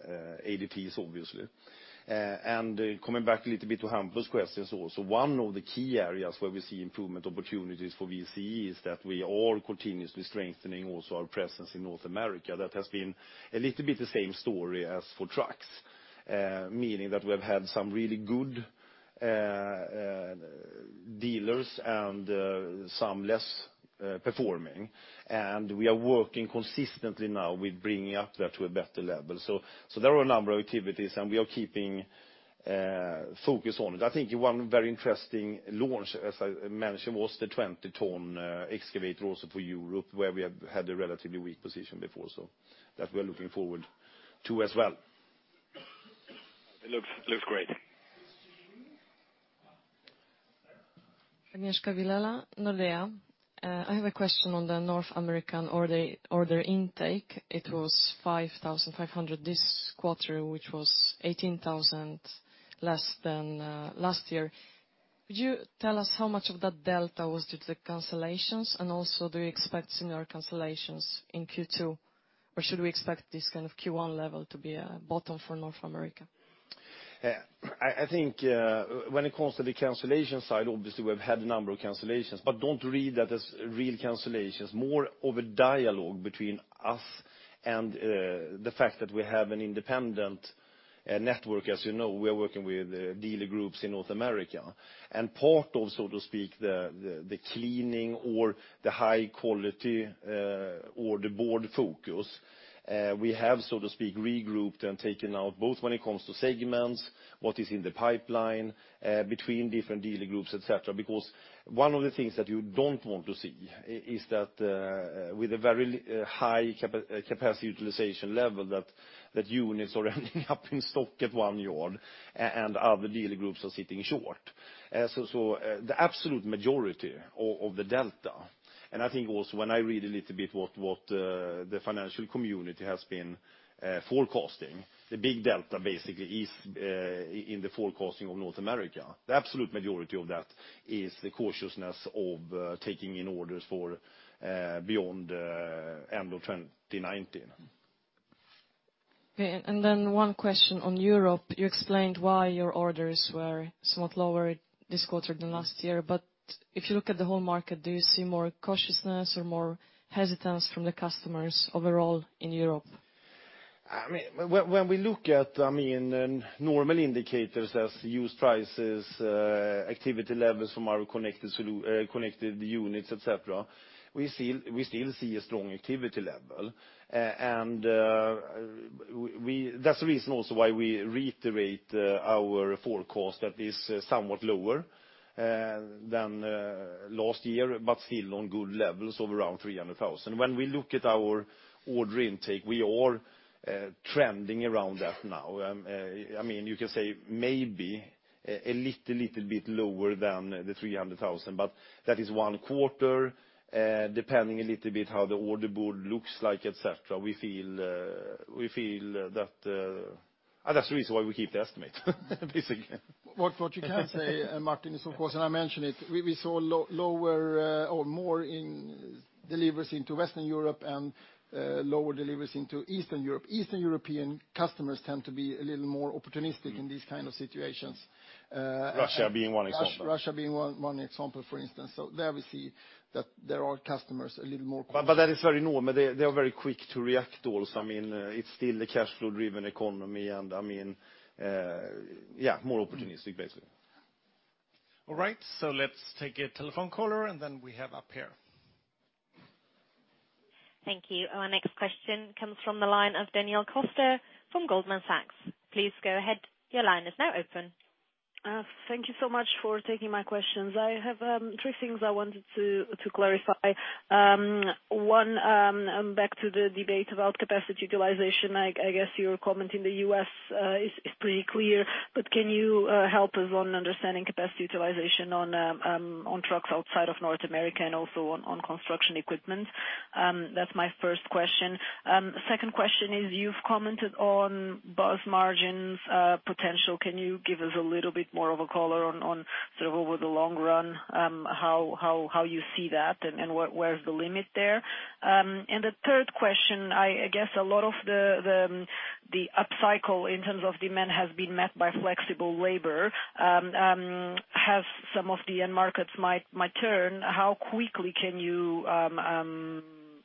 S2: ADTs, obviously. Coming back a little bit to Hampus' questions also, one of the key areas where we see improvement opportunities for VCE is that we are continuously strengthening also our presence in North America. That has been a little bit the same story as for trucks. Meaning that we have had some really good dealers and some less performing. We are working consistently now with bringing up that to a better level. There are a number of activities, and we are keeping focus on it. I think one very interesting launch, as I mentioned, was the 20-ton excavator also for Europe, where we have had a relatively weak position before, so that we are looking forward to as well.
S6: It looks great.
S7: Agnieszka Vilela, Nordea. I have a question on the North American order intake. It was 5,500 this quarter, which was 18,000 less than last year. Could you tell us how much of that delta was due to the cancellations? Do you expect similar cancellations in Q2? Should we expect this kind of Q1 level to be a bottom for North America?
S2: I think when it comes to the cancellation side, obviously, we've had a number of cancellations, but don't read that as real cancellations. More of a dialogue between us and the fact that we have an independent network. As you know, we are working with dealer groups in North America. Part of, so to speak, the cleaning or the high quality or the board focus, we have, so to speak, regrouped and taken out both when it comes to segments, what is in the pipeline between different dealer groups, et cetera. One of the things that you don't want to see is that with a very high capacity utilization level, that units are ending up in stock at one yard and other dealer groups are sitting short. The absolute majority of the delta, and I think also when I read a little bit what the financial community has been forecasting, the big delta basically is in the forecasting of North America. The absolute majority of that is the cautiousness of taking in orders for beyond end of 2019.
S7: Okay. One question on Europe. You explained why your orders were somewhat lower this quarter than last year, but if you look at the whole market, do you see more cautiousness or more hesitance from the customers overall in Europe?
S2: When we look at normal indicators as used prices, activity levels from our connected units, et cetera, we still see a strong activity level. That's the reason also why we reiterate our forecast that is somewhat lower than last year, but still on good levels of around 300,000. When we look at our order intake, we are trending around that now. You can say maybe a little bit lower than the 300,000, but that is one quarter, depending a little bit how the order board looks like, et cetera. That's the reason why we keep the estimate, basically.
S3: What you can say, Martin, is of course, I mentioned it, we saw lower or more in deliveries into Western Europe and lower deliveries into Eastern Europe. Eastern European customers tend to be a little more opportunistic in these kind of situations.
S2: Russia being one example.
S3: Russia being one example, for instance. There we see that there are customers a little more cautious.
S2: That is very normal. They are very quick to react also. It is still a cash flow driven economy, and more opportunistic, basically.
S3: All right, so let us take a telephone caller, and then we have up here.
S5: Thank you. Our next question comes from the line of Daniela Costa from Goldman Sachs. Please go ahead. Your line is now open.
S8: Thank you so much for taking my questions. I have three things I wanted to clarify. One, back to the debate about capacity utilization. I guess your comment in the U.S. is pretty clear, but can you help us on understanding capacity utilization on trucks outside of North America and also on construction equipment? That's my first question. Second question is, you've commented on bus margins potential. Can you give us a little bit more of a color on sort of over the long run, how you see that and where is the limit there? The third question, I guess a lot of the upcycle in terms of demand has been met by flexible labor. Have some of the end markets might turn, how quickly can you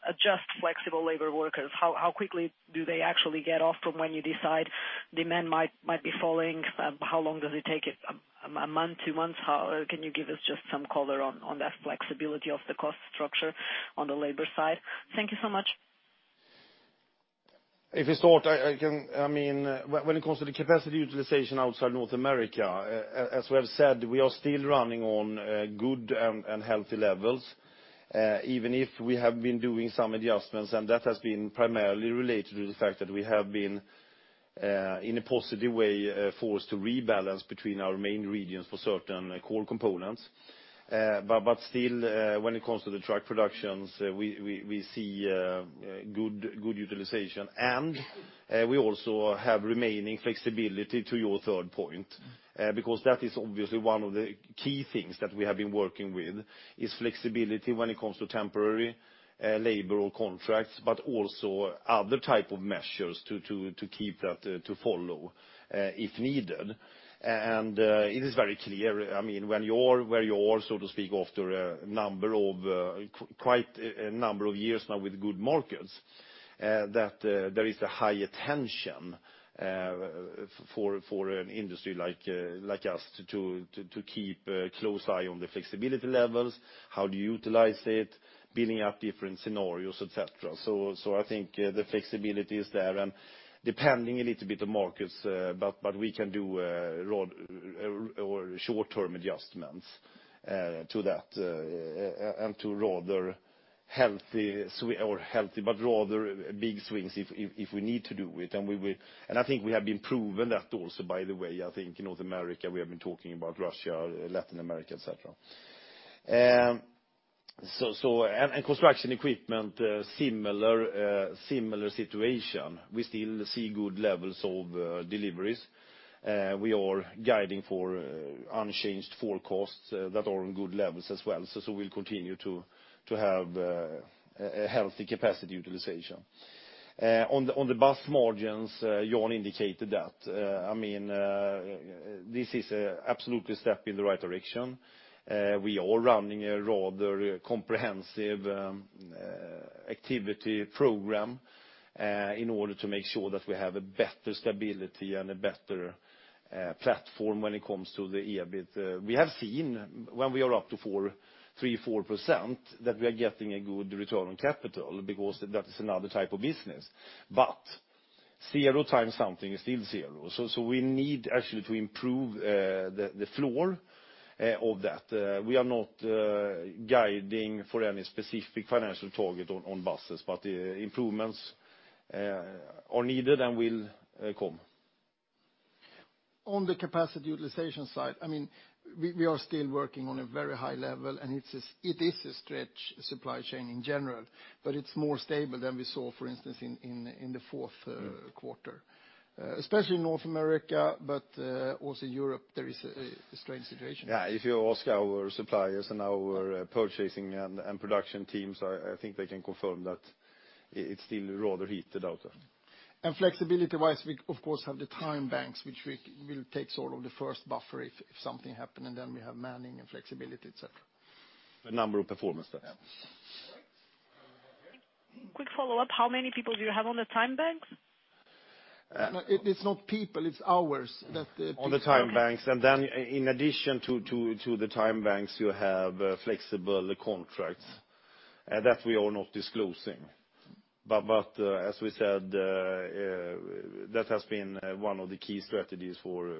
S8: adjust flexible labor workers? How quickly do they actually get off from when you decide demand might be falling? How long does it take? A month? Two months? Can you give us just some color on that flexibility of the cost structure on the labor side? Thank you so much.
S2: If you start, when it comes to the capacity utilization outside North America, as we have said, we are still running on good and healthy levels. Even if we have been doing some adjustments, that has been primarily related to the fact that we have been, in a positive way, forced to rebalance between our main regions for certain core components. Still, when it comes to the truck productions, we see good utilization. We also have remaining flexibility to your third point. That is obviously one of the key things that we have been working with, is flexibility when it comes to temporary labor or contracts, but also other type of measures to follow, if needed. It is very clear, when you're where you are, so to speak, after quite a number of years now with good markets, that there is a high attention for an industry like us to keep a close eye on the flexibility levels, how do you utilize it, building up different scenarios, et cetera. I think the flexibility is there, depending a little bit on markets, but we can do short-term adjustments to that, to rather healthy, but rather big swings if we need to do it. I think we have been proven that also, by the way, I think in North America, we have been talking about Russia, Latin America, et cetera. Construction equipment, similar situation. We still see good levels of deliveries. We are guiding for unchanged forecasts that are on good levels as well. We'll continue to have a healthy capacity utilization. On the bus margins, Jan indicated that. This is absolutely a step in the right direction. We are running a rather comprehensive activity program in order to make sure that we have a better stability and a better platform when it comes to the EBIT. We have seen when we are up to 3, 4%, that we are getting a good return on capital because that is another type of business. Zero times something is still zero. We need actually to improve the floor of that. We are not guiding for any specific financial target on buses, but improvements are needed and will come.
S3: On the capacity utilization side, we are still working on a very high level, and it is a stretched supply chain in general, but it's more stable than we saw, for instance, in the fourth quarter. Especially in North America, but also Europe, there is a strange situation.
S2: If you ask our suppliers and our purchasing and production teams, I think they can confirm that it's still rather heated out there.
S3: Flexibility-wise, we of course have the time banks, which we will take sort of the first buffer if something happen, and then we have manning and flexibility, et cetera.
S2: The number of performers there.
S3: Yeah.
S1: All right.
S8: Quick follow-up, how many people do you have on the time banks?
S3: No, it's not people, it's hours.
S2: On the time banks. In addition to the time banks, you have flexible contracts. That we are not disclosing. As we said, that has been one of the key strategies for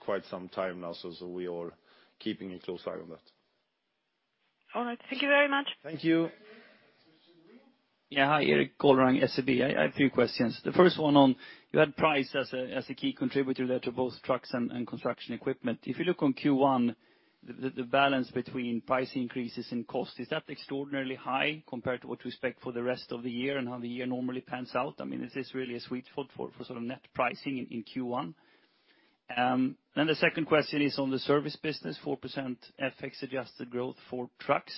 S2: quite some time now, so we are keeping a close eye on that.
S8: All right. Thank you very much.
S3: Thank you.
S9: Hi, Erik Golrang, SEB. I have two questions. The first one on, you had price as a key contributor there to both trucks and construction equipment. If you look on Q1, the balance between price increases and cost, is that extraordinarily high compared to what we expect for the rest of the year, and how the year normally pans out? I mean, is this really a sweet spot for net pricing in Q1? The second question is on the service business, 4% FX-adjusted growth for trucks.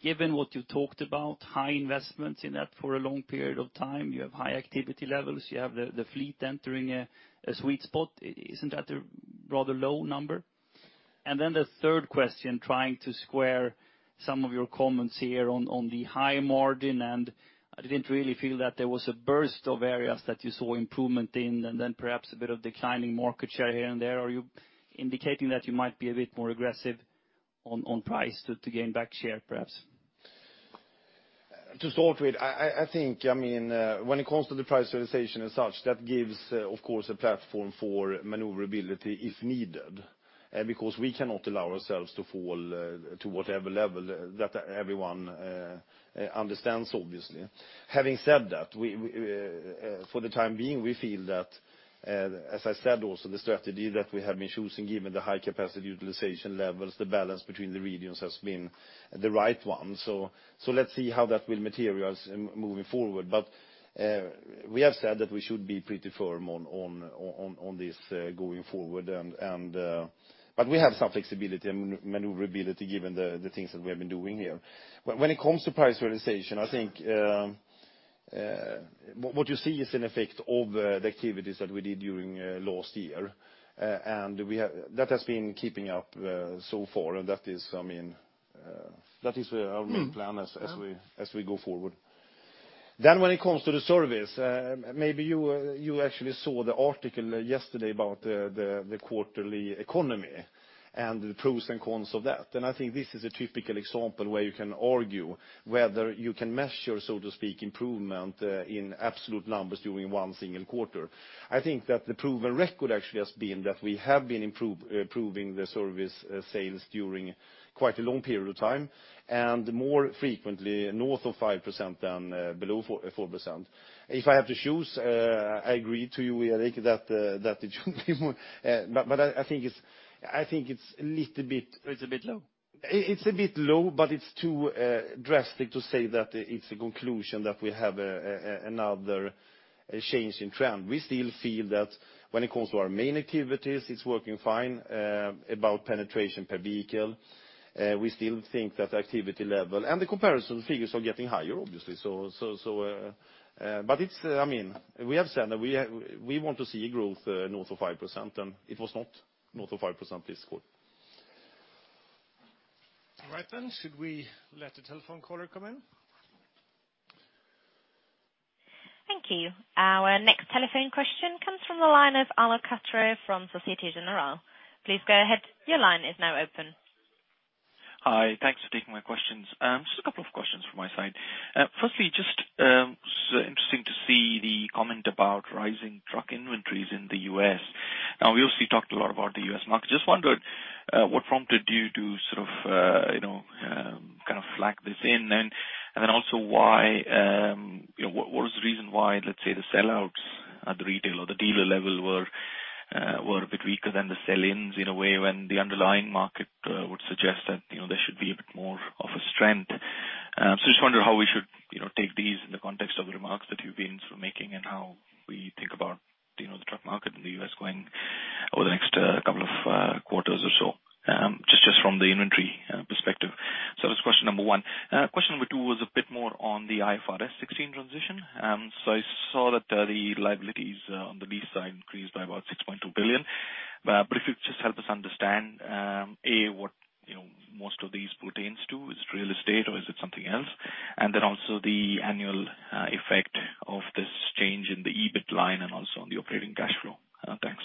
S9: Given what you talked about, high investments in that for a long period of time, you have high activity levels, you have the fleet entering a sweet spot, isn't that a rather low number? The third question, trying to square some of your comments here on the high margin, I didn't really feel that there was a burst of areas that you saw improvement in, then perhaps a bit of declining market share here and there. Are you indicating that you might be a bit more aggressive on price to gain back share, perhaps?
S2: To start with, I think when it comes to the price realization as such, that gives, of course, a platform for maneuverability if needed, because we cannot allow ourselves to fall to whatever level that everyone understands, obviously. Having said that, for the time being, we feel that, as I said, also the strategy that we have been choosing, given the high capacity utilization levels, the balance between the regions, has been the right one. Let's see how that will materialize moving forward. We have said that we should be pretty firm on this going forward. We have some flexibility and maneuverability given the things that we have been doing here. When it comes to price realization, I think what you see is an effect of the activities that we did during last year. That has been keeping up so far, that is our main plan as we go forward. When it comes to the service, maybe you actually saw the article yesterday about the quarterly economy and the pros and cons of that. I think this is a typical example where you can argue whether you can measure, so to speak, improvement in absolute numbers during one single quarter. I think that the proven record actually has been that we have been improving the service sales during quite a long period of time, and more frequently north of 5% than below 4%. If I have to choose, I agree to you, Erik, that it should be more. I think it's a little bit.
S9: It's a bit low.
S2: It's a bit low, but it's too drastic to say that it's a conclusion that we have another change in trend. We still feel that when it comes to our main activities, it's working fine. About penetration per vehicle, we still think that activity level. The comparison figures are getting higher, obviously. We have said that we want to see a growth north of 5%, and it was not north of 5% this quarter.
S1: All right, should we let the telephone caller come in?
S5: Thank you. Our next telephone question comes from the line of Arnaldo Castro from Société Générale. Please go ahead, your line is now open.
S10: Hi. Thanks for taking my questions. Just a couple of questions from my side. Firstly, just interesting to see the comment about rising truck inventories in the U.S. We obviously talked a lot about the U.S. market. Just wondered what prompted you to kind of flag this in. Also what was the reason why, let's say, the sell-outs at the retail or the dealer level were a bit weaker than the sell-ins in a way, when the underlying market would suggest that there should be a bit more of a strength. Just wonder how we should take these in the context of remarks that you've been making, and how we think about the truck market in the U.S. going over the next couple of quarters or so, just from the inventory perspective. That's question number one. Question number two was a bit more on the IFRS 16 transition. I saw that the liabilities on the lease side increased by about 6.2 billion. If you could just help us understand, A, what most of these pertains to, is it real estate or is it something else? Also the annual effect of this change in the EBIT line and also on the operating cash flow. Thanks.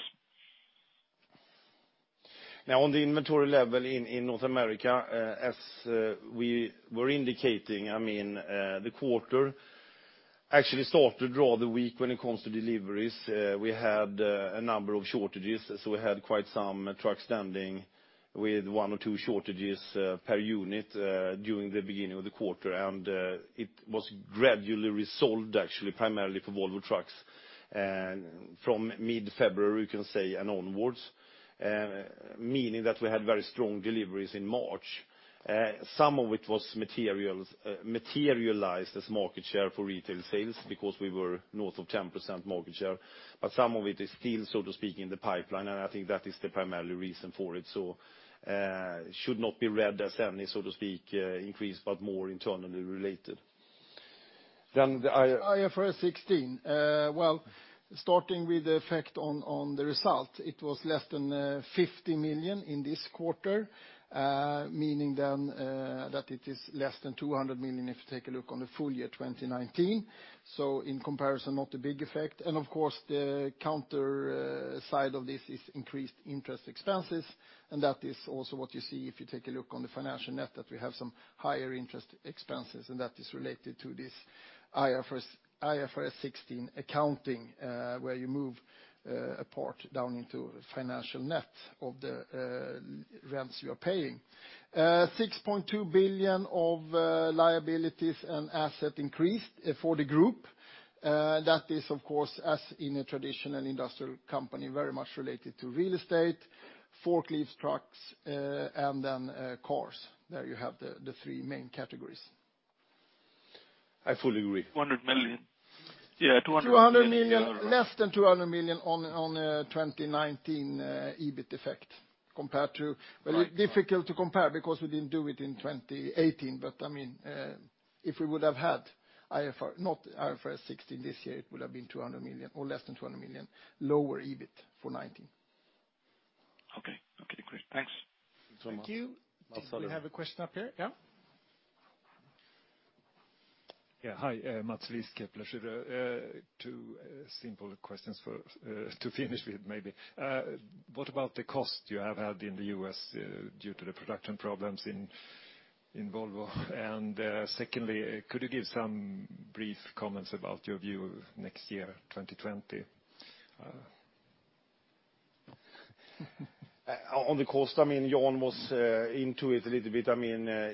S2: Now, on the inventory level in North America, as we were indicating, the quarter actually started rather weak when it comes to deliveries. We had a number of shortages, we had quite some trucks standing with one or two shortages per unit during the beginning of the quarter. It was gradually resolved, actually, primarily for Volvo Trucks from mid-February, you can say, and onwards, meaning that we had very strong deliveries in March. Some of it was materialized as market share for retail sales because we were north of 10% market share, some of it is still, so to speak, in the pipeline, and I think that is the primary reason for it. Should not be read as any, so to speak, increase, but more internally related.
S3: The IFRS 16. Well, starting with the effect on the result. It was less than 50 million in this quarter, meaning that it is less than 200 million if you take a look on the full year 2019. In comparison, not a big effect. Of course, the counter side of this is increased interest expenses, that is also what you see if you take a look on the financial net, that we have some higher interest expenses, and that is related to this IFRS 16 accounting, where you move a part down into financial net of the rents you are paying. 6.2 billion of liabilities and asset increased for the group. That is, of course, as in a traditional industrial company, very much related to real estate, forklifts, trucks, and cars. There you have the three main categories.
S2: I fully agree.
S10: 200 million.
S2: Yeah, 200 million.
S3: Less than 200 million on 2019 EBIT effect. Well, difficult to compare because we didn't do it in 2018, but if we would have had IFRS 16 this year, it would have been 200 million or less than 200 million lower EBIT for 2019.
S10: Okay. Okay, great. Thanks.
S2: Thanks so much.
S1: Thank you. We have a question up here. Yeah.
S11: Yeah, hi. Mats Liss, Kepler. Two simple questions to finish with maybe. What about the cost you have had in the U.S. due to the production problems in Volvo? Secondly, could you give some brief comments about your view next year, 2020?
S2: On the cost, Jan was into it a little bit.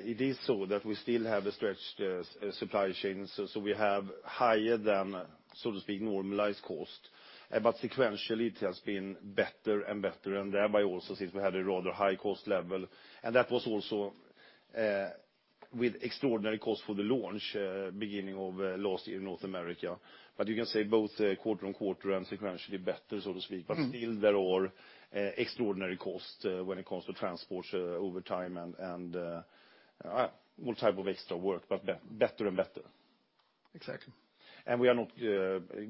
S2: It is so that we still have stretched supply chains, we have higher than, so to speak, normalized cost. Sequentially, it has been better and better, and thereby also since we had a rather high cost level, and that was also with extraordinary cost for the launch beginning of last year in North America. You can say both quarter-on-quarter and sequentially better, so to speak. Still there are extraordinary cost when it comes to transport over time and all type of extra work, but better and better.
S3: Exactly.
S2: We are not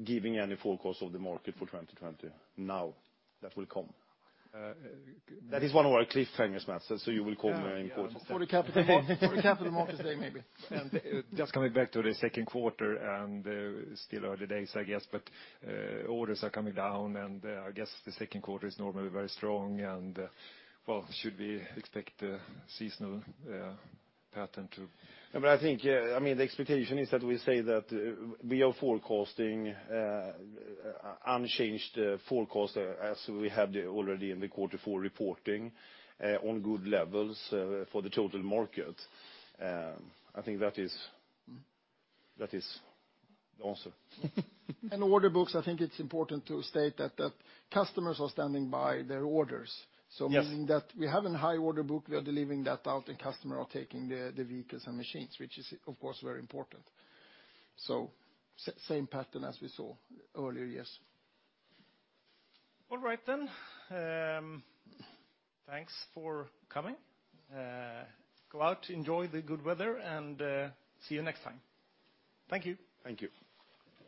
S2: giving any forecast of the market for 2020 now. That will come. That is one of our cliffhangers, Mats. You will come in course.
S3: For the capital markets day, maybe.
S11: Just coming back to the second quarter, still early days, I guess. Orders are coming down, I guess the second quarter is normally very strong and, well, should we expect a seasonal pattern to-.
S2: I think, the expectation is that we say that we are forecasting unchanged forecast as we had already in the quarter four reporting on good levels for the total market. I think that is the answer.
S3: Order books, I think it's important to state that the customers are standing by their orders.
S2: Yes.
S3: Meaning that we have a high order book, we are delivering that out, and customer are taking the vehicles and machines, which is, of course, very important. Same pattern as we saw earlier, yes.
S1: All right then. Thanks for coming. Go out, enjoy the good weather, and see you next time. Thank you.
S2: Thank you.